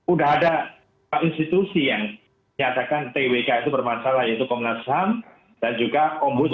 udah ada institusi yang nyatakan twk itu bermasalah yaitu komnas ham dan juga ombudsman